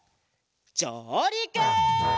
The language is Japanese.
じょうりく！